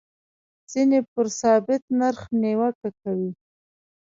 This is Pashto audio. ځینې پر ثابت نرخ نیوکه کوي.